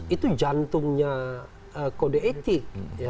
itu jantungnya kode etik